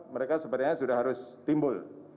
mereka sebenarnya sudah harus timbul